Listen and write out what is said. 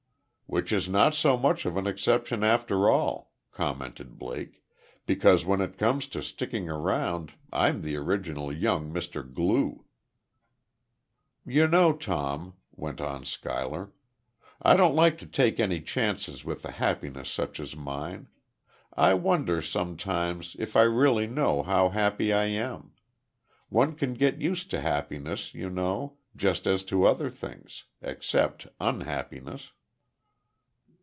"Which is not so much of an exception, after all," commented Blake; "because, when it comes to sticking around, I'm the original young Mr. Glue." "You know, Tom," went on Schuyler, "I don't like to take any chances with a happiness such as mine.... I wonder, sometimes, if I really know how happy I am. One can get used to happiness, you know, just as to other things except unhappiness."